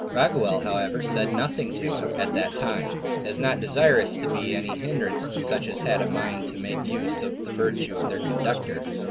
Raguel however said nothing to him at that time, as not desirous to be any hinderance to such as had a mind to make use of the virtue of their conductor.